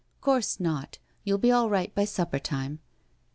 " Coorse not, you'll be all right by supper time."